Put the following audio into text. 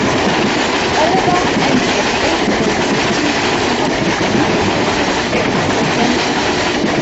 Oliver, angry at Amy for repeatedly speaking of her new imaginary friend, punishes her.